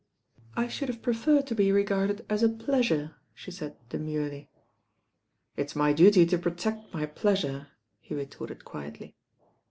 "I should have preferred to be regarded as a pleasure," she said demurely. "It's my duty to protect my pleasure," he retorted quietly.